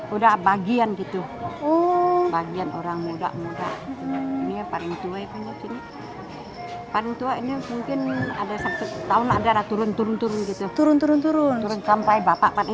suara gesekan dari dawai erhu menjadi tanda kebudayaan tionghoa masih hidup dalam dada generasi masa kini